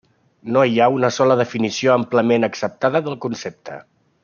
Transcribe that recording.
No hi ha una sola definició amplament acceptada del concepte.